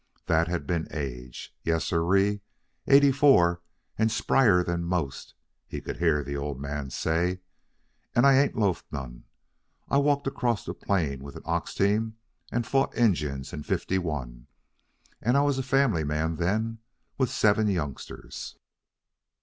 That had been age. "Yes siree, eighty four, and spryer than most," he could hear the old man say. "And I ain't loafed none. I walked across the Plains with an ox team and fit Injuns in '51, and I was a family man then with seven youngsters."